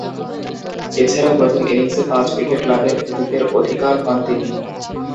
এছাড়াও প্রথম ইনিংসে পাঁচ উইকেট লাভের কৃতিত্বের অধিকার হন তিনি।